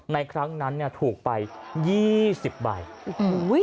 ในครั้งนั้นถูกไป๒๐ใบ